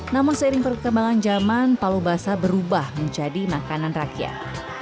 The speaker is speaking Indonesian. namun seiring perkembangan zaman palu basah berubah menjadi makanan rakyat